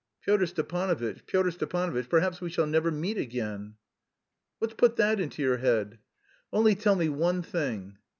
"Pyotr Stepanovitch, Pyotr Stepanovitch, perhaps we shall never meet again!" "What's put that into your head?" "Only tell me one thing."